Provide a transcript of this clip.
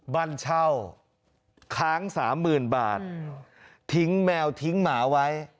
บ้านเช่าค้างสามหมื่นบาททิ้งแมวทิ้งหมาไว้